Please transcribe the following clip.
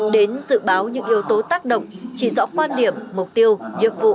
đến dự báo những yếu tố tác động chỉ dõi quan điểm mục tiêu nhiệm vụ